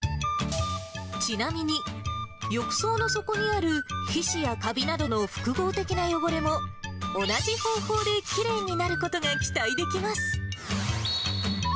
ちなみに、浴槽の底にある皮脂やかびなどの複合的な汚れも、同じ方法できれいになることが期待できます。